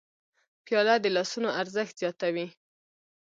پیاله د لاسونو ارزښت زیاتوي.